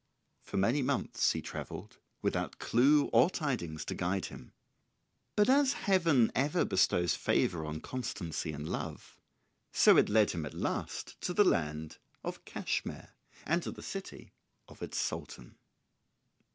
For many months he travelled without clue or tidings to guide him; but as Heaven ever bestows favour on constancy in love, so it led him at last to the land of Cashmire, and to the city of its Sultan.